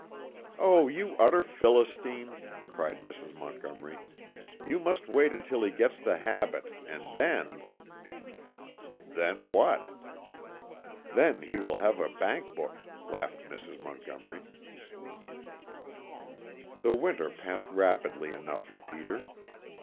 "Oh, you utter Philistine!" cried Mrs. Montgomery. "You must wait until he gets the habit, and then !" "Then what?" "Then he will have a bank book," laughed Mrs. Montgomery. The winter passed rapidly enough for Peter.